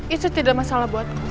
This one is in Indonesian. itu tidak masalah buatku